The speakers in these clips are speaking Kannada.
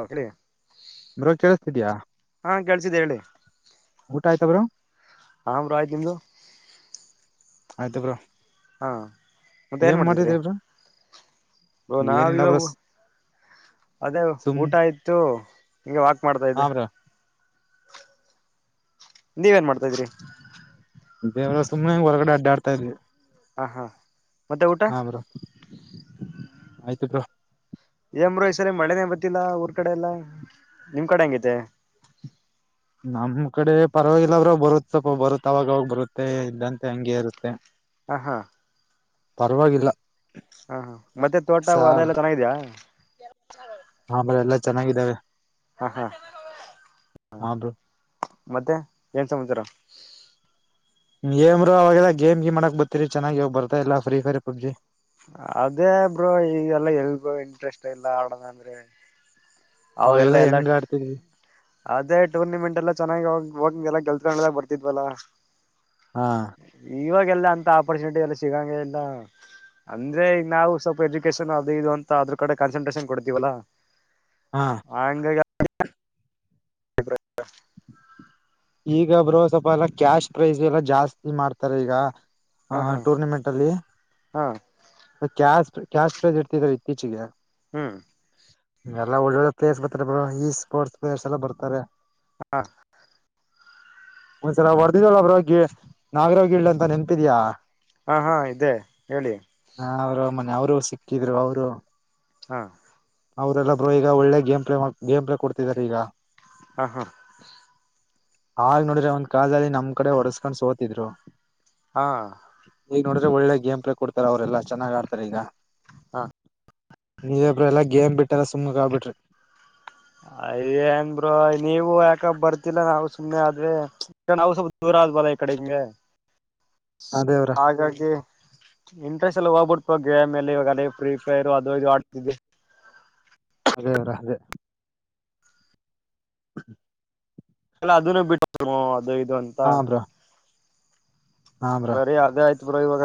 ಹ ಕಳ ಬ್ರೋ ಕೇಳಸ್ತಿದಯಾ? ಹಂ ಬ್ರೋ ಆಯ್ತು, ನಿಮ್ದು? ಆಯ್ತ ಬ್ರೋ. ಹಾಂ ಮತ್ತೆ ಏನು ಏನ್ ಮಾಡ್ತಿದ್ರಿ? ಮಾಡಿದ್ರಿ ಬ್ರೋ ಬ್ರೋ ನಾವ್ ಏನಿಲ್ಲ ಇವಾಗ, ಬ್ರೋ ಅದೇ ಸುಮ್ ಊಟ ಇಯ್ತು. ಹಗ ವಾಕ್ ಮಾಡ್ತಾ ಹಾ ಇದ್ದೆ. ಬ್ರೋ ನೀವೇನ್ ಮಾಡ್ತಾ ಇದ್ರಿ? ದೇವರು ಸುಮ್ಮನೆ ಹಂಗ ಹೊರಗಡೆ ಅಡ್ಡಾಡ್ತಾ ಇದ್ವಿ. ಹ ಹಾ ಮತ್ತೆ ಊಟ ಹಾ ಬ್ರೋ ಆಯ್ತು ಬ್ರೋ. ಏನ್ ಬ್ರೋ ಈ ಸರಿ ಮಳೆನೇ ಬತ್ತಿಲ್ಲಾ ಊರ್ ಕಡೆ ಎಲ್ಲಾ ನಿಮ್ ಕಡೆ ಹೆಂಗೈತೆ. ನಮ್ ಕಡೆ ಪರವಾಗಿಲ್ಲ ಬ್ರೋ, ಬರುತ್ ಸ್ವಪ ಬರುತ್ತೆ. ಅವಾಗ ಅವವಾಗ ಬರುತ್ತೆ ಇದ್ದಂತೆ ಹಂಗಗೆ ಇರುತ್ತೆ. ಹಹಾ ಪರವಾಗಿಲ್ಲ. ಹಾ ಹಾ ಮತ್ತೆ ತೋಟ ಸ ಅಲ್ಲ ಎಲ್ಲ ಚೆನ್ನಾಗಿದ್ಯಾ? ಆಮೇಲಲ್ಲ ಚೆನ್ನಾಗಿದ್ದಾವೆ. ಹಾ ಹಾ ಹ ಹಾ ಬ್ರೋ ಮತ್ತೆ ಏನ್ ಸಮಚರ? ಏಮ್ ಬ್ರೋ ಅವಾಗೆಲ್ಲ ಗೇಮ್ ಗೀಮ್ ಆಡಕ್ ಬರ್ತಾ ಇದ್ರಿ ಚೆನ್ನಾಗಿ ಇವಾಗ ಬರ್ತಾ ಇಲ್ಲ ಫ್ರೀ ಫೈರ್ ಪಬ್ಜಿ. ಅದೇ ಬ್ರೋ ಈಗೆಲ್ಲ ಎಲ್ಗ ಇಂಟ್ರೆಸ್ಟ್ ಇಲ್ಲ ಆಡೋದ ಅಂದ್ರೆ. ಅವಾಗೆಲ್ಲ ಅವಾಗೆಲ್ಲಾ ಎಲ್ಲ ಹೆಂಗ್ ಆಡ್ತಿದ್ವಿ ಅದೇ ಟೂರ್ನಮೆಂಟ್ ಎಲ್ಲ ಚೆನ್ನಾಗಿ ಹೋಗ ಎಲ್ಲ ಗೆಲ್ತಾ ಎಲ್ಲ ಬರ್ತಿದ್ವಲ್ಲ ಅವಾಗ. ಹಾ ಇವಾಗೆಲ್ಲ ಅಂತ ಆಪರ್ಚುನಿಟಿ ಎಲ್ಲ ಸಿಗಂಗಿಲ್ಲ. ಅಂದ್ರೆ ಈಗ ನಾವು ಸ್ವಲ್ಪ ಎಜುಕೇಶನ್ ಅದು ಇದು ಅಂತ ಅದ್ರ ಕಡೆ ಕಾನ್ಸಂಟ್ರೇಷನ್ ಕೊಡ್ತೀವಲ್ಲಾ ಹಾ ಆಂಗ. ಅಭಿಪ್ರ ಈಗ ಬ್ರೋ ಸ್ವಲ್ಪ ಎಲ್ಲ ಕ್ಯಾಶ್ ಪ್ರೈಸ್ ಎಲ್ಲ ಜಾಸ್ತಿ ಮಾಡ್ತಾರೆ ಈಗ. ಹ ಹಾ ಹಾ ಟೂರ್ನಮೆಂಟ್ ಅಲ್ಲಿ ಹಾ ಕ ಕ್ಯಾಸ್ಟ್ರೇಜ್ ಎಷ್ಟ್ ಇರ್ತಿದಾರೆ ಇತ್ತೀಚಿಗೆ. ಹ್ಮ್ ಎಲ್ಲ ಒಳ್ಳೊಳ್ಳೆ ಪ್ಲೇರ್ಸ್ ಬರ್ತಾರೆ ಬ ಈ ಸ್ಪೋರ್ಟ್ಸ್ ಪ್ಲೇಸ್ ಎಲ್ಲ ಬರ್ತಾರೆ. ಹಾ ಒಂದ್ಸಲ ಹೊರ್ದಿದಲ್ಲಬಗೆ ನಾಗರಾವ್ ಇಳ್ಳ ಅಂತ ನೆನ್ಪಿದ್ಯಾ ಹಾ ಹಾ ಇದೆಹೇಳಿ ಹ ಅವರು ಮನೆ ಅವರು ಸಿಕ್ಕಿದ್ರು ಅವರು ಹಾ ಅವ್ರಲ್ಲ ಬ್ರೋ ಈಗ ಒಳ್ಳೆ ಗೇಮ್ ಪ್ಲೇ ಮಾಡ ಗೇಮ್ ಪ್ಲೇ ಕೊಡ್ತಿದಿದ್ದಾರೆ ಈಗ ಹಾ ಹಾ ಆಗ್ ನೋಡ್ರೆ ಒಂದ್ ಕಜಾಲ ನಮ್ ಕಡೆ ಒರ್ಸ್ಕೊಂಡ್ ಸೋತಿದ್ರು ಹಾ ಈಗ ನೋಡ್ರೆ ಒಳ್ಳೆ ಗಮ್ಲ ಕೊತಾರೆ ಅವ್ರೆಲ್ಲ ಚೆನ್ನಾಗ ಆಡ್ತಾರೆ ಈಗ ಹಾ ನೀಜ ಒಬ್ರ ಎಲ್ಲಾ ಗೇಮ್ ಬಿಟ್ಟಲ್ಲ ಸುಮ್ಮಕ್ ಆಗ್ಬಿಟ್ರಿ ಅಯೇ ಅಏನ್ರು ನೀವು ಯಾಕ ಬರ್ತಿಲ್ಲ ನಾವು ಸುಮ್ನೆ ಆದ್ರ ನಾವು ದರ ಬರ ಈ ಕಡೆ ಹಂಗೆ ಹ ದೇವ್ರ ಹಾಗಾಗಿ ಎಲ್ಲ ಹೋಗ್ಬಿಡ್ಟ್ ಗೇಮ್ ಎಲ್ಲಿ ಇವಾಗ ಅಲ್ಲಿ ಫ್ರೀ ಫೈರ್ ಅದು ಇದು ಆಡ್ತಿದೆ ಅದೇವರ ಅದೇ ಹ ಎಲ್ಲ ಅದನ್ನು ಬಿಟ್ಟ ಅದು ಇದು ಅಂತ ಹಾ ಬ್ರೋ ಹಾ ಬ್ರೋ ಬರಿಅದೇ ಆಯ್ತ್ ಬ್ರ ಇವಾಗ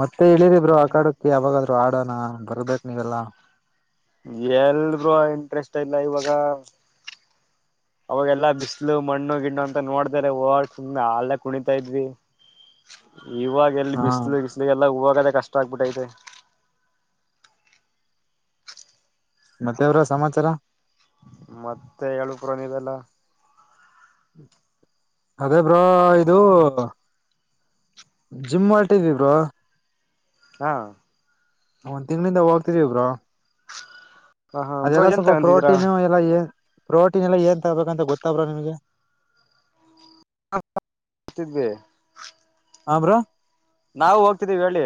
ಮತ್ತೆ ಇಳಿರಿಬ್ರು ಆ ಕಾಡಕಿ ಯಾವಾಗಾದ್ರು ಆಡೋಣ ಬರ್ಬೇಕಕ್ ನೀವೆಲ್ಲಾ ಎಲ್ರೂ ಇಂಟ್ರೆಸ್ಟ್ ಇಲ್ಲ ಇವಾಗ [inaudible] ಅವಾಗೆಲ್ಲಾ ಬಿಸಿಲು ಮಣ್ಣು ಗಿಣು ಅಂತ ನೋಡ್ತಾರೆ ಹೊರ್ ಸುಮ್ನೆ ಹಲ್ ಕುಣಿತಾ ಇದ್ವಿ [inaudible] ಇವಾಗ ಎಲ್ಲಿ ಹಾ ಬಿಸಿಲು ಬಿಸಲು ಎಲ್ಲ ಹೂವಾಗದೇ ಕಷ್ಟ ಆಗ್ಬಿಟ್ಟತೆ ಮತ್ತೆವರ ಸಮಾಚಾರ ಮತ್ತೆ ಹೇಳು ಪರನ ಇದೆಲ್ಲ ಅದೇ ಬ್ರೋ ಇದು ಜಿಮ್ ಹೊಲ್ಟಿದೀ ಬ್ರಾ ಹಾ ಒಂದ್ ತಿಂಗಳಿಂದ ಹ್ತರಿ ಒಬ್ರಾ ಹ ಹಾ ಬ್ರೋ ಅದೆಲ್ಲ ಏನ್ ಸ್ವಲ್ಪ ತಗಂತಿದೀರಾ ಪ್ರೋಟೀನು ಎಲ್ಲ ಪ್ರೋಟೀನ್ ಎಲ್ಲ ಏನ್ ತಗಬೇಕಂತ ಗೊತ್ತಬ್ರ ನಿಮ್ಗೆ ತಿದೆ ಹಮ್ರ ನಾವವು ಹೋಗ್ತಿದ್ದೀವಿ ಹೇಳಿ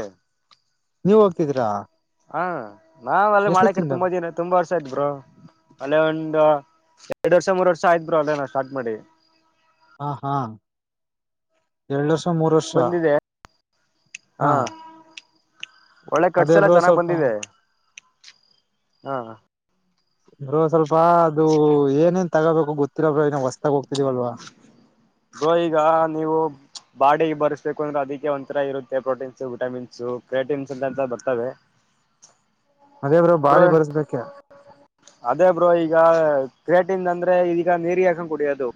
ನೀವ್ ಹೋಗ್ತಿದೀರಾ ಹಾ ನಾವ್ ಅಲ್ಲ ಎಷ್ಟು ಮಾಡಕ್ರ ತಿಂದ ತುಂಬಾ ಪ ದಿನ ತುಂಬಾ ವರ್ಷ ಆತ್ ಬ್ರೋ ಅಲ್ಲೇ ಒಂದು ಎರಡ್ ವರ್ಷ ಮೂರ್ ವರ್ಷ ಆಯ್ರು ಅಲ್ಲೇ ನಾವು ಸ್ಟಾರ್ಟ್ ಮಾಡಿ ಹಾ ಹಾ ಎ ಸಮರುಸ ಬಂದಿದೆ ಹಾ [inaudible] ಒಳ್ಳೆ ಕಟ್ಸ ಅದೇ ಎಲ್ಲ ಬ್ರೋ ಚೆನ್ನಾಗ್ ಸ್ವಲ್ಪ ಬಂದಿದೆ ಹಾ ಅಸ್ವಲ್ಪ ಅದು ಏನೇನ್ ತಗೋಬೇಕು ಗೊತ್ತಿರಲ್ ನ ಹೊಸತಾಗೋಗತಿದೀವಲ್ವಾ [inaudible] ಗೋ ಈಗ ನೀವು ಬಾಡಿ ಬರ್ಸ್ಬೇಕು ಅಂದ್ರೆ ಅದಕ್ಕೆ ಒಂಥರ ಇರುತ್ತೆ ಪ್ರೋಟೀನ್ಸ್ ವಿಟಮಿನ್ಸು ಕ್ರೇಟಿನ್ಸ್ ಎಂತ ಬರ್ತವೆ ಅದೇ ಬ್ರೋ ಬಾಳ ಬರೆಸ್ಬೇಕ್ಯ ಅದೇ ಬ್ರೋ ಈಗ ಕ್ರೇಟಿಂದ ಅಂದ ನೀರಿಗ್ ಹಾಕೊಂಡು ಕುಡಿಯೋದು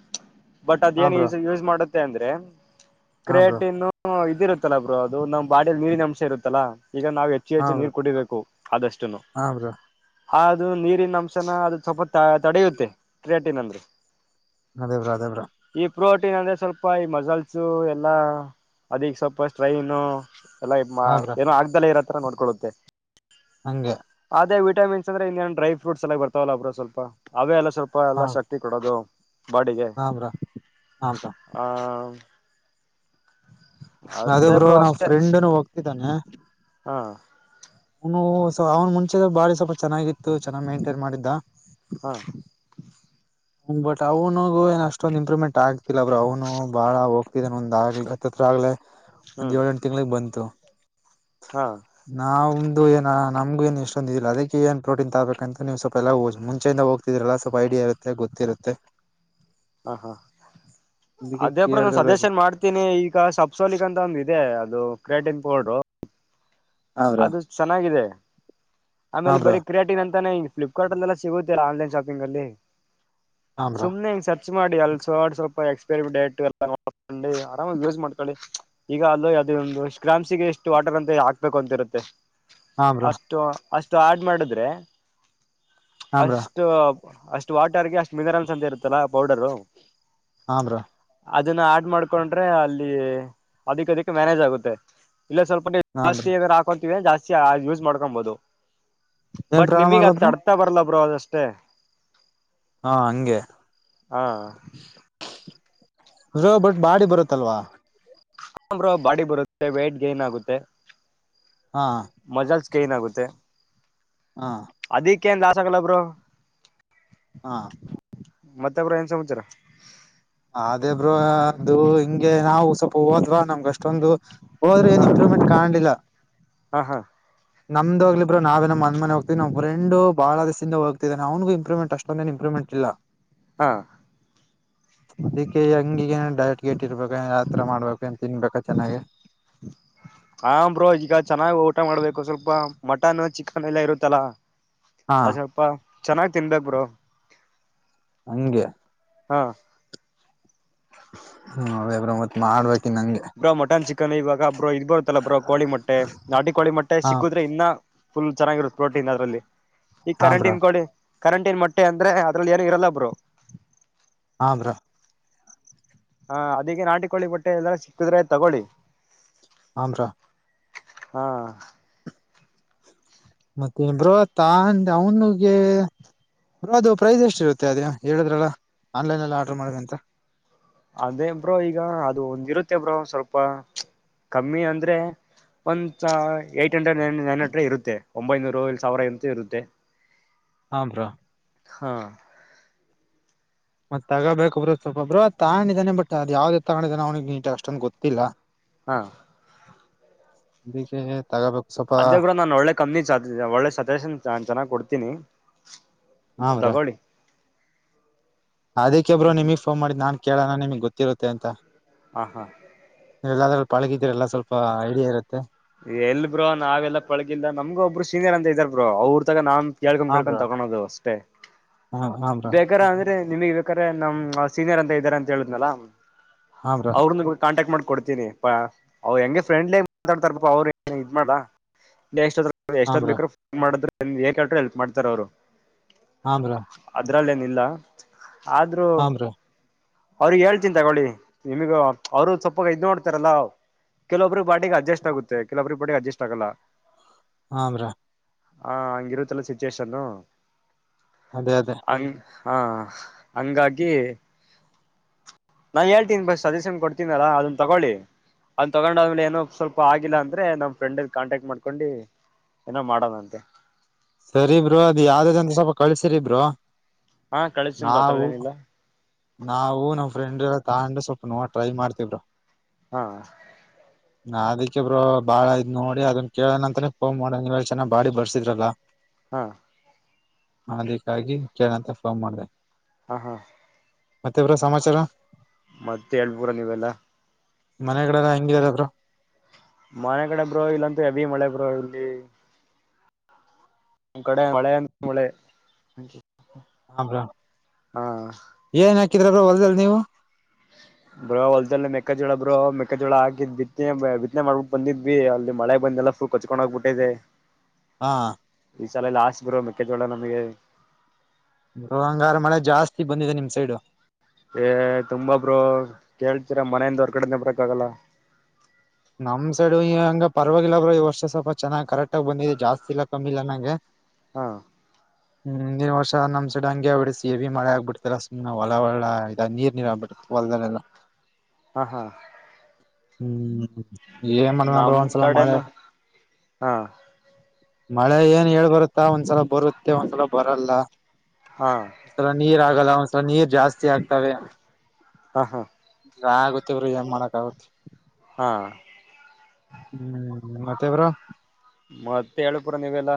ಬಟ್ ಹಾ ಅದೇಏನ್ ಬ್ರೋ ಯಸ್ ಯೂಸ್ ಮಾಡುತ್ತೆ ಅಂದ್ರೆ ಹಾ ಬ್ರೋ ಕ್ರೇಟನ್ನು ಇರುತ್ತಲ್ಲಾ ಬ್ರೋ ಅದು ನಮ್ಮ ಬಾಡಿಯಲ್ಲಿ ನೀರಿನ ಅಂಶ ಇರುತ್ತಲ್ಲಾ ಈಗ ನಾವು ಹೆಚ್ಚು ಹಾ ಹೆಚ್ಚು ಬ್ರೋ ನೀರ್ ಕುಡಿಬೇಕು ಆದಷ್ಟನು ಹಾ ಬ್ರೋ ಅದು ನೀರಿನ ನಮ್ಸನ ಅದು ಸ್ವಲ್ಪ ತಡೆಯುತ್ತೆ ಕ್ರೇಟಿನ್ ಅಂದ್ರೆ ಅದೇ ಬ್ರೋ ಅದೇ ಬ್ರೋ ಈ ಪ್ರೋಟೀನ್ ಅಂದ್ರೆ ಸ್ವಲ್ಪ ಈ ಮಸಲ್ಸು ಎಲ್ಲಾ ಅದಕ್ ಸ್ವಲ್ಪ ಸ್ಟ್ರೈನು ಎಲ್ಲ ಹಾ ಬ್ರೋ ಏನೋ ಆಗದೆಲ್ಲ ಇರೋತರ ನೋಡ್ಕೊಳ್ಳುತ್ತೆ ಹಂಗೆ ಅದೇ ವಿಠಮಿನ್ಸ್ ಅಂದ್ರೆ ಇನ್ನೇನ್ ಡ್ರೈ ಫ್ರೂಟ್ಸ್ ಎಲ್ಲ ಬರ್ತಾವಲ್ಲ ಬ್ರೋ ಸ್ವಲ್ಪ ಅವೆಲ್ಲ ಸ್ವಲ್ಪ ಹಾ ಎಲ್ಲ ಶಕ್ತಿ ಕೊಡೋದು ಬಾಡಿಗೆ ಹಾ ಬ್ರೋ ಹಾ ಬ್ರೋ ಹ ಅದು ಬ್ರೋ ನಾವ್ ಫ್ರೆಂಡ್ನು ಹೋಗ್ತಿದ್ದಾನೆ. ಹಾಂ ಅವನು ಅವ್ನು ಮುಂಚೆ ಬಾಳ ಸ್ವಲ್ಪ ಚೆನ್ನಾಗಿತ್ತು ಚೆನ್ನಾಗಿ ಮೇಂಟೈನ್ ಮಾಡಿದ್ದ ಹಾ ಹ್ಮ ಬಟ್ ಅವ್ನಗು ಏನ್ ಅಷ್ಟೊಂದ ಇಂಪ್ರೂವ್ಮೆಂಟ್ ಆಗ್ತಿಲ್ಲ ಬ್ರೋ ಅವ್ನು ಬಾಳ ಹೋಗ್ತಿದಾನ ಒಂದ್ಗ್ಲಹತ್ತತ್ರ ಆಗ್ಲೆ ಒಂದ್ ಹ್ಮ್ ಏಳ ಎಂಟು ತಿಂಗಳಿಗೆ ಬಂತು ಹಾ ನಾವು ಇ ಏ ನಮಗ ನ್ ಇಷ್ಟೊಂದ ಇಲ್ಲ ಅದಕ್ಕೆ ಏನ್ ಪ್ರೋಟೀನ್ ತಗಬೇಕಂತ ನೀವು ಸ್ವಲ್ಪ ಎಲ್ಲ ಮುಂಚೆಯಿಂದ ಹೋಗ್ತಿರಲ್ಲ ಸ್ವಲ್ಪ ಐಡಿಯಾ ಇರುತ್ತೆ ಮತ್ತೆ ಗೊತ್ತಿರುತ್ತೆ ಹಾ ಹಾ ಅದಕ್ಕೆ ಅದೇ ಬ್ರೋ ನಾನ್ ಕೇಳ್ದೆ ಸಜೆಷನ್ ಮಾಡ್ತೀನಿ ಈಗ ಸಪ್ಸೋಲಿಕ್ ಅಂತ ಒಂದ ಇದೆ ಅದು ಕ್ರೇಟನ್ ಬಡೋ ಹಾ ಅದು ಚೆನ್ನಾಗಿದೆ. ಆಮೇಲೆ ಬ್ರೋ ಬರೀ ಕ್ರಿಯಾಟಿನ್ ಅಂತಾನೆ ಫ್ಲಿಪ್ಕಾರ್ಟ ಅಲ್ಲಲ್ಲಾ ಸಿಗುತ್ತಿಲ್ಲ ಆನ್ಲೈನ್ ಶಾಪಿಂಗ್ ಅಲ್ಲಿ ಹಾ ಬ್ರೋ ಸುಮನೆಂಗ ಸ ಮಾಡಿ ಅ ಸ್ವಲ್ಪ ಎಕ್ಸ್ಪೈರಿ ಡೇಟ್ ಎಲ್ಲ ನೋ ಆರಾಮ ಯೂಸ್ ಮಾಡ್ಕೊಳ್ಳಿ ಈಗ ಅದು ಅದು ಒಂದುಷ್ಟ ಗ್ರಾಮ್ಸಿಗೆ ಎಷ್ಟು ವಾಟರ್ ಅಂತ ಹಾಕ್ಬೇಕ ಅಂತರುತ್ತೆ. ಹಾ ಬ್ರೋ ಅಷ್ಟು ಅಷ್ಟು ಆಡ್ ಮಾಡಿದ್ರೆ. ಹಾ ಬ್ರೋ ಅಷ್ಟು ಅಷ್ಟು ವಾಟರ್ಗೆ ಅಷ್ಟು ಮಿನರಲ್ಸ್ ಅಂತ ಇರುತ್ತಲ್ಲ ಪೌಡರು. ಹ ಬ್ರೋ ಅದನ್ನ ಆಡ್ ಮಾಡ್ಕೊಂಡ್ರೆ ಅಲ್ಲಿ ಅದಿಕ್ ಅದಿಕ್ ಮ್ಯಾನೇಜ್ ಆಗುತ್ತೆ. ಇಲ್ಲ ಸ್ವಲ್ಪ ಹಾ ಬ್ರೋ ಹಾ ಬ್ರೋ ಜಾಸ್ತಿ ಹಾಕೊತೀವಿ ಜಾಸ್ತಿ ಯೂಸ್ ಮಾಡ್ಕೊಬಹುದು ಏನ್ ಬಟ್ ಪ್ರಾಬ್ಲಮ್ ನಿಮಿಗ್ ಆಗಲ್ಲ ಅದ್ ಬ್ರೋ ಅಡ್ತಾ ಬರ್ಲ್ಲ ಬ್ರೋ ಅದಷ್ಟೇ ಹಾ ಹಂಗೆ ಹಾ ರ ಬಟ್ ಬಾಡಿ ಬರುತ್ತಲ್ವಾ ಹಾ ಬ್ರೋ ಬಾಡಿ ಬರುತ್ತೆ ವೇಟ್ ಗೇನ್ ಆಗುತ್ತೆ ಹಾ ಮಜಾಲ್ಸ್ ಕ ಏನಾಗುತ್ತೆ ಹಾ ಕೆಂದ ಆ ಸಗಲ ಬ್ರೋ ಹಾ ಮತ್ತ ಬ್ರೋ ಏನ್ ಸಮಾಚಾರ ಅದೇ ಬ್ರೋ ಅದು ಹಿಂಗೆ ನಾವು ಸ್ವಲ್ಪ ಹೋದ್ವಾ ನಮ್ಗ ಅಷ್ಟೊಂದು ಹೋದ್ರೆ ಏನ್ ಇಂಪ್ರೂವ್ಮೆಂಟ್ ಕಾಣಿಲ್ಲ ಹಾ ಹಾ ನಮದೋಗಲಿ ಬ್ರೋ ನಾವೇ ಇನ್ ಮನೆ ಮನೆ ಹೋಗ್ತೀವಿ ನಮ್ ಫ್ರೆಂಡ್ ಬಾಳ ದಿಸಿಂದ ಹೋಗ್ತದಿನಿ ಅವನಿಗೂ ಇಂಪ್ರೂಮೆಂಟ್ ಅಷ್ಟೊಂದೇ ಇಂಪ್ರೂಮೆಂಟ್ ಇಲ್ಲ. ಹಾ ಅದಕ್ಕೆ ಹೆಂಗಿಗ ಏನ ಡಯಟ್ ಗಿಯಟ್ ಇರ್ಬೇಕ ಯತ್ರ ಮಾಡ್ಬೇಕಂತ ತಿನ್ಬೇಕ ಚೆನ್ನಾಗ ಹ್ಮ [inaudible] ಹ ಬ್ರೋ ಈಗ ಚೆನ್ನಾಗ್ ಊಟ ಮಾಡ್ಬೇಕು ಸ್ವಲ್ಪ ಮಟನ್ ಚಿಕನ್ ಎಲ್ಲ ಇರುತ್ತಲ್ಲಾ. ಹಾ ಅ ಸ್ವಲ್ಪ ಚೆನ್ನಾಗ್ ತಿನ್ಬೇಕ ಬ್ರೋ ಹಂಗೆ ಹಾ ಹ್ಮ ಅವ ಬ್ರೋ ಮತ್ ಮಾಡ್ಬೇಕ ಬ್ರೋ ಮಟನ್ ಚಿಕನ್ ಇವಾಗ ಬ್ರೋ ಇದ್ ಬರುತ್ತಲ್ಲ ಬ್ರೋ ಕೋಳಿ ಮೊಟ್ಟೆ ನಾಟಿ ಕೋಳಿ ಮೊಟ್ಟೆ ಹಾ ಸಿಕ್ಕುದ್ರೆ ಇನ್ನ ಫುಲ್ ಚೆನ್ನಾಗಿರುತ್ತದು ಪ್ರೋಟೀನ್ ಅದ್ರಲ್ಲಿ ಈ ಹಾ ಕರೆಂಟ್ ಬ್ರೋ ಇನ್ ಕೊಡಿ ಕರೆಂಟ್ ನ್ ಮೊಟ್ಟೆ ಅಂದ್ರೆ ಅದ್ರಲ್ಲಿ ಏನ ಇರಲ್ಲಬ್ರು ಹಾ ಬ್ರಾ ಹಾ ಅದಕ್ಕೆ ನಾಟಿಕೋೊಳ್ಳಿ ಬಟ್ಟೆ ಎಲ್ಲಾರ ಸಿಕ್ಕಿದ್ರೆ ತಗೊಳ್ಳಿ ಹಾ ಬ್ರೋ ಹಾ ಮತ್ತೆನ್ ಬರ ತಂದ ಅವನು ಅದು ಪ್ರೈಸ್ ಎಷ್ಟ ಇರುತ್ತೆ ಅದ ಹೇಳದ್ರಲ್ಲ ಆನ್ಲೈನ್ಲ್ಲಿ ಆರ್ಡ್ರ ಮಾಡ್ವಿ ಅಂತ ಅದೇ ಬ್ರೋ ಈಗ ಅದು ಒಂದಿರುತ್ತೆ ಬ್ರೋ ಸ್ವಲ್ಪ ಕಮ್ಮಿ ಅಂದ್ರೆ ಒಂದ ಏಟ್ ಹಂಡ್ರೆಡ್ ನೈನ್ ಹಂಡ್ರೆಡ್ ಇರುತ್ತೆ ಒಂಬೈನೂರು ಇ ಸಾವಿರ ಇಂತ ಇರುತ್ತೆ ಹಮಾ ಹಾ ಮತ್ತತ್ ತಗೋಬೇಕಬ್ರು ಸ್ವಲ್ೊಬ್ರು ಅ ತಗೊಂಡಿದ್ದಾನ ಬಟ್ ಅ್ ಯಾವ್ದ ತಗೊಂಡಿದಾನೆ ಅವನಿಿಗೆ ನೀ ಅಷ್ಟೊಂದು ಗೊತ್ತಿಲ್ಲ ಹಾ ಅದಕ್ಕೆ ತಗೋಬೇಕು ಸ್ವಲ್ಪ ಕಮ್ಮಿ ಒಳ್ಳೆ ಸಜಷನ್ ಚೆನ್ನಾಗ್ ಕೊಡ್ತೀನಿ ತಗೊಳ್ಳಿ ಅದಿಕ್ಕೆಬ್ರು ನಿಮಗ್ ಫೋನ್ ಮಾಡಿ ನಾನ್ ಕೇಳೋಣ ನಿಮಗ್ ಗೊತ್ತಿರುತ್ತೆ ಅಂತ ಹ ಹಾ ನೀಲ್ಲಾದ್ರೂ ಬಾಳಕಿದ್ರ ಎಲ್ಲ ಸ್ವಲ್ಪ ಐಡಿಯಾ ಇರುತ್ತೆ ಎಲ್ ಬ್ರೋ ನಾವೆಲ್ಲಾ ಪಳಗಿಲ್ಲ ನಮಗ ಒಬ್ಬರು ಸೀನಿಯರ್ ಅಂತ ಇದ್ದಾರ ಬ್ರೋ ಅವ್ರ ತಾಗ ನಾನ್ ಎಳ್ಕೊ ಹಾ ಕಳ್ಕೊಂಡ ಬ್ರೋ ತಕೊಳೋದು ಅಷ್ಟೇ ಹ ಹಾ ಬ್ರೋ ಬೇಗಾರ ಅಂದ್ರೆ ನಿಮಗ್ ಬೇಕಾದ್ರೆ ನಮ್ ಸೀನಿಯರ್ ಅಂತ ಇದ್ದಾರೆ ಅಂತ ಹೇಳಿದ್ನಲ್ಲ ಹಾ ಬ್ರೋ ಅವ್ರ ಕಾಂಟ್ಯಾಕ್ಟ್ ಮಾಡ್ ಕೊಡ್ತೀನಿ ಅವ್ ಹೆಂಗೆ ಫ್ರೆಂಡ್ಲಿ ಮಾತಾಡ್ತಾರ ಅವ್ ಇದ್ ಮಾಡ ಎಷ್ಟ ಹಾ ಎಷ್ಟೊಂದು್ ಬ್ರೋ ಬೇಕ್ರರು ಫೋನ್ ಮಾಡಿದ್ರ ಏಕ ಹೇಳ್ರರು ಹೆಲ್ಪ್ ಮಾಡ್ತಾರೆ ಅವರು ಹಮ್ರಾ ಇದ್ರಲ್ಲೇನಿಲ್ಲ ಆದ್ರೂ ಬ್ರೋ ಅವ್ರಿಗೆ ಹೇಳ್ತಿನ್ ತಗೊಳ್ಳಿ ನಿಮಗ ಅವರು ಸೊಪ್ಪಾಗ ಇದ್ ನೋಡ್ತಾರಲ್ಲ ಕೆಲೊಬ್ಬಿಗೆ ಪ್ಟಿಗೆ ಅಡ್ಜಸ್ಟ್ ಆಗುತ್ತೆ ಕೆಲವೊಬ್ರಿಗೆ ಪಾರ್ಟಿಗೆ ಅಡ್ಜಸ್ಟ್ ಆಗಲ್ಲ ಹಮ್ರಾ ಹಾ ಹಂಗಿರುತ್ತಲ್ಲ ಸಿಚುವೇಷನ್ ಅದೇ ಅದೇ ಹಾ ಹಂಗಾಗಿ ನಾನ್ ಹೇಳ್ತೀನಿ ಬಸ್ ಸಜೆಷನ್ ಕೊಡ್ತೀನಲ್ಲ ಅದನ್ನ ತಗೊಳ್ಳಿ ಅದ್ ತಗೊಂಡಾದ್ಮೇಲೆ ಏನೋ ಸ್ವಲ್ಪ ಆಗಿಲ್ಲ ಅಂದ್ರೆ ನಮ್ ಫ್ರೆಂಡಲ್ಲಿ ಕಾಂಟ್ಯಾಕ್ಟ್ ಮಾಡ್ಕೊಂಡಿ ಏನೋ ಮಾಡದಂತೆ ಸರಿಬ್ರರು ಅದ ಯಾವ್ದ್ದ ಅಂತ ಸ್ವಲ್ಪ ಕಳ್ಸಿರಿಬ್ರರು ಹಾ ಕಳ್ಮರು ಆಥರದಏನಿಲ್ಲ ನಾವು ನಮ್ಮ್ ಫ್ರೆಂಡ್ ಎಲ್ಲ ತೊಂಡ್ರೆ ಸ್ವಲ್ಪ ನೋ ಟ್ರೈ ಮಾಡ್ತವ್ರ ಹಾ ನಾ ಅದಕ್ಕೆ ಬ್ರೋ ಬಾಳ ಇದ್ ನೋಡಿ ಅದನ್ ಕೇಳನ ಅಂತನ ಫೋನ್ ಮಾಡೋ ನೀವ ಚೆನ್ನಾಗ ಬಾಡಿ ಬರ್ಸಿದ್ರಲ್ಲ ಹಾ ಅದಕ್ಕಾಗಿ ಚ ಅಂತ ಫೋನ್ ಮಾಡಿದೆ ಹಾ ಹಾ ಮತ್ತೆಬ್ಬರ ಸಮಾಚಾರ ಮತ್ತೆಳ [unintelligible] ಪುರ ನೀವೆಲ್ಲಾ ಮನೆ ಕಡೆಲ್ಲ ಹೆಂಗಿದಾರದ್ರ ಮನೆ ಕಡೆ ಬ್ರೋ ಇಲ್ಲಂತೂ ಹೆವಿ ಮಳೆ ಬ್ರೋ ಇಲ್ಲಿ ನಿ್ ಕಡೆ ಮಳೆ ಅಂದ್ರ ಮಳೆ ಹ್ರಾ ಹಾ ಕಿದ್ರ ಹೊರ್ದಲ್ ನೀವು ಬ್ರೋ ಹೊಲ್ಲ್ಲಿ ಮೆಕ್ಕಜೋಳ ಬ್ರೋ ಮೆಕ್ಕಜೋಳ ಹಾಕ್ ಬಿನೆ ಬಿತ್ನೆ ಮಾಡ್ಬಿಟ್ಟು ಬಂದ್ವಿ ಅಲ್ಲಿ ಮಳೆ ಬಂದಲ್ಲ ಕಚ್ಕೊಂಡ್ ಹೋಗ್ಬಿಟ್ಟದೆ ಹಾ ಈ ಸಲ ಎಲ್ಲಾಸ್ಟ್ ಬ್ರೋ ಮೆಕ್ಕೆಜೋಳ ನಮಗೆ ಬ್ರೋ ಹಂಗಾದ್ರೆ ಮಳೆ ಜಾಸ್ತಿ ಬಂದಿದೆ ನಿಮ್ ಸೈಡು. ಏ ತುಂಬಬ್ರು ಕೇಳ್ತೀರ ಮನೆಯಿಂದ ಹೊರ್ಗಡೆನೆ ಬರಕ್ ಆಗಲ್ಲ ನಮ್ ಸೈಡು ಈ ಹಂಗ ಪರವಾಗಿಲ್ಲಬ್ರ ಈ ವರ್ಷ ಸ್ವಲ್ಪ ಚೆನ್ನಾಗಿ ಕರೆಕ್ಟ್ ಆಗ ಬಂದಿದ್ದಿದೆ ಜಾಸ್ತಿ ಇಲ್ಲ ಕಮ್ಮಿಲ್ಲಾ ನಂಗೆ ಹಾ ಹ್ಮ್ ನಿನ್ ವರ್ಷ ನಮ್ ಸಡ್ ಹಂಗಗೆ ಹೊಡಿ ಸೇವಿ ಮಳೆ ಆಗ್ಬಡ್ತಲ್ಲ ಸುಮ್ ಹೊ ಒಲ ಒಳ ಇದ ನೀರ್ ನೀರ ಆಗ್ಬಿಡ್ತ. ಒಲ್ದನಲ್ಲ ಹಾ ಹಾ ಹ್ಮ್ ಏ ಮನೆ ನ ನಮ್ ಒನ್ಸಲ ಮಾಡಳೆ ಕಡೆನು ಹಾ ಮಳೆ ಏನ್ ಹೇಳ್ ಬರುತ್ತಾ ಒಂದ್ಸಲ ಬರುತ್ತೆ ಒಂದ್ಸಲ ಬರಲ್ಲ ಹಾ ಒಂದ್ಸಲ ನೀರ್ ಆಗಲ್ಲ ಒಂದ್ಸಲ ನೀರ್ ಜಾಸ್ತಿ ಆಗ್ ಹಾ ಹಾ ಆಗುತ್ತವ್ರರು ಏನ್ ಮಾಡಕ ಆಗುತ್ತ ಹಾ ಹ್ಮ್ ಮತ್ತೆ ಬ್ರೋ ಮತ್ತೆ ಹೇಳ ಪುರ ನೀವೆಲ್ಲಾ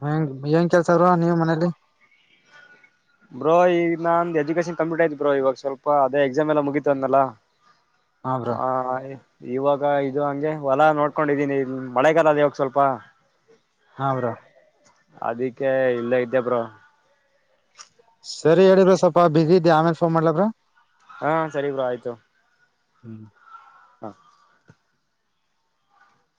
ಹೆಂಗ ಕೆಲ್ಸ ಬ್ರೋ ನೀವ್ ಮನೇಲಿ ಬ್ರೋ ಈಗ ನಂದ ಎಜುಕೇಶನ್ ಕಂಪ್ಲೀಟ್ ಆಯ್ತ್ ಬ್ರೋ ಇವಾಗ ಸ್ವಲ್ಪ ಅದೇ ಎಕ್ಸಾಮ್ ಎಲ್ಲ ಮುಗಿತತ ಅಂದಲ್ಲಾ. ಹಾ ಇವಾಗ ಇದು ಹಂಗೆ ಹೊಲ ನೋಡ್ಕೊಂಡಿದೀನಿ ಮಳೆಗಾಲ ಅದ ಇವಾಗ ಸ್ವಲ್ಪ ಹ ಬ್ರೋ ಅದಕ್ಕೆ ಇಲ್ಲ ಇದ್ದ ಬ್ರ ಸರಿ ಹೇಳಿದ್ರ ಸ್ವಲ್ಪ ಬಿಸಿ ಇದಿ ಆಮೇಲ್ ಫೋನ್ ಮಾಡ್ಲಬ್ರ ಹಾ ಸರಿ ಬ್ರ ಆಯ್ತು ಹ್ಮ್ ಹ್ಮ